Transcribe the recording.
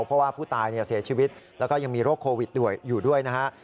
เพราะว่าผู้ตายเสียชีวิตแล้วก็ยังมีโรคโควิดด้วยอยู่ด้วยนะฮะ